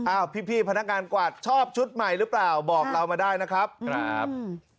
พี่พนักงานกวาดชอบชุดใหม่หรือเปล่าบอกเรามาได้นะครับครับ